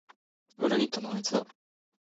裏切ったのはあいつだ